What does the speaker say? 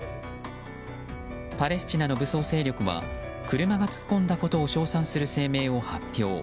パレスチナの武装勢力は車が突っ込んだことを称賛する声明を発表。